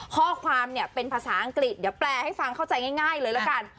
ข้อความเนี่ยเป็นภาษาอังกฤษเดี๋ยวแปลให้ฟังเข้าใจง่ายเลยละกัน